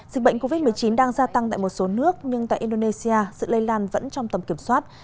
dịch bệnh covid một mươi chín đang gia tăng tại một số nước nhưng tại indonesia sự lây lan vẫn trong tầm kiểm soát